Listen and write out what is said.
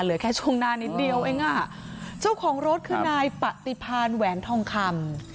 เหลือแค่ช่วงหน้านิดเดียวเองอ่ะเจ้าของรถคือนายปฏิพานแหวนทองคำ